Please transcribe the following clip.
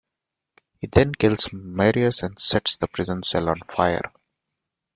He then kills Marius and sets the prison cell on fire.